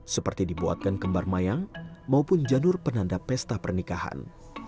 seperti dibuatkan kembar mayang maupun janur penanda pesta pernikahan